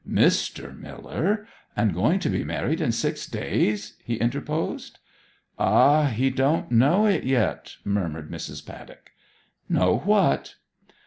'Mister Miller! and going to be married in six days!' he interposed. 'Ah he don't know it yet!' murmured Mrs. Paddock. 'Know what?'